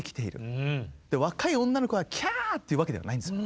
若い女の子がキャー！っていうわけではないんです。